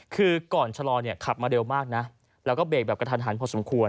คือก่อนชะลอเนี่ยขับมาเร็วมากนะแล้วก็เบรกแบบกระทันหันพอสมควร